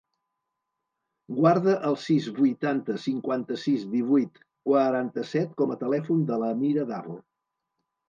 Guarda el sis, vuitanta, cinquanta-sis, divuit, quaranta-set com a telèfon de l'Amira Davo.